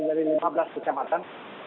dari lima belas kecamatan